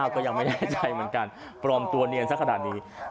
ก็ยังไม่แน่ใจเหมือนกันปลอมตัวเนียนสักขนาดนี้